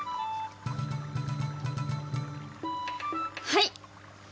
はい。